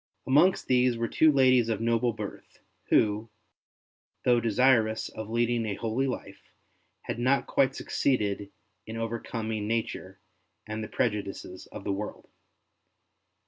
Amongst these were two ladies of noble birth, who, though desirous of leading a holy life, had not quite succeeded in over coming nature and the prejudices of the world.